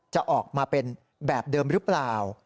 จะออกมาเป็นแบบเดิมหรือเปล่า